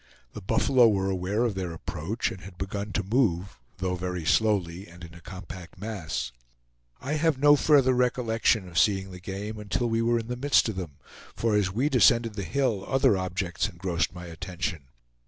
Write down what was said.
The buffalo were aware of their approach, and had begun to move, though very slowly and in a compact mass. I have no further recollection of seeing the game until we were in the midst of them, for as we descended the hill other objects engrossed my attention.